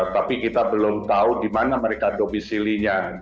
tapi kita belum tahu di mana mereka domisilinya